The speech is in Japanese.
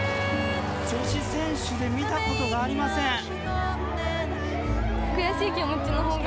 女子選手で見たことがありません。